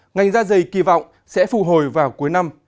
ngành da dày kỳ vọng sẽ phù hồi vào cuối năm